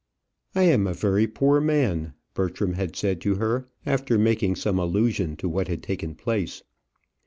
"I am a very poor man," Bertram had said to her, after making some allusion to what had taken place.